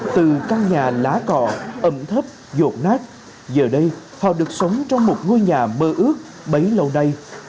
từ căn nhà lá cò ẩm thấp dột nát giờ đây họ được sống trong một ngôi nhà mơ ước bấy lâu nay